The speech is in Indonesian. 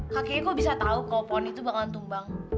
kakeknya kok bisa tau kalo poni tuh bakalan tumbang